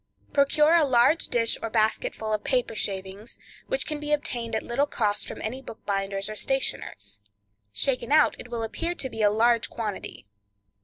Procure a large dish or basketful of paper shavings, which can be obtained at little cost from any bookbinder's or stationer's. Shaken out it will appear to be a large quantity.